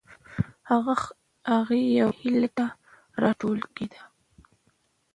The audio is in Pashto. هغه یوې هیلې ته راوټوکېده.